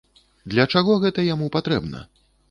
Для чаго гэта яму патрэбна?